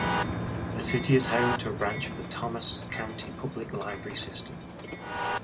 The city is home to a branch of the Thomas County Public Library System.